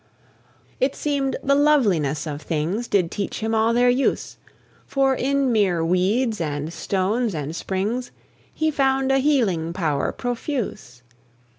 It seemed the loveliness of things Did teach him all their use, For, in mere weeds, and stones, and springs, He found a healing power profuse.